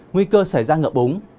nguy cơ xảy ra ngược búng